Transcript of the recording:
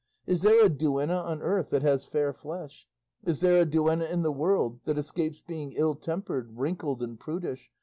Is there a duenna on earth that has fair flesh? Is there a duenna in the world that escapes being ill tempered, wrinkled, and prudish?